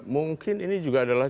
mungkin ini juga adalah